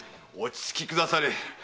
落ち着きくだされ。